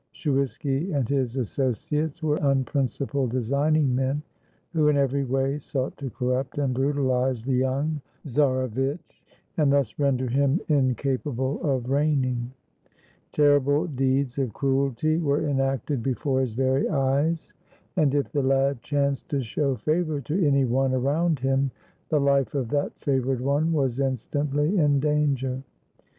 Shuiski and his associates were unprincipled, designing men, who in every way sought to corrupt and brutalize the young czarevitch, and thus render him incapable of reigning. Terrible deeds of cruelty were enacted before his very eyes; and, if the lad chanced to show favor to any one around him, the hfe of that favored one was instantly in danger.